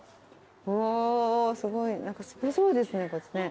おすごい。何かすごそうですねこっちね。